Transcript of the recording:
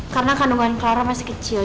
karena kandungan clara masih kecil